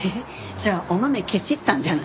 じゃあお豆ケチったんじゃない？